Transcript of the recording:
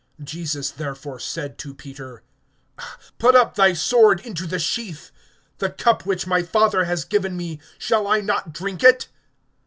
(11)Jesus therefore said to Peter: Put up thy sword into the sheath. The cup which my Father has given me, shall I not drink it?